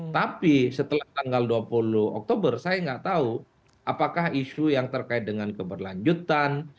tapi setelah tanggal dua puluh oktober saya nggak tahu apakah isu yang terkait dengan keberlanjutan